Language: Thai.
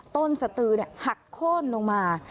ต้นสตืรหักโคนลงมา